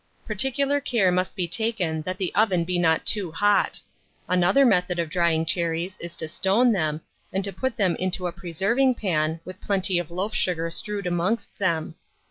Particular care must be taken that the oven be not too hot. Another method of drying cherries is to stone them, and to put them into a preserving pan, with plenty of loaf sugar strewed amongst them.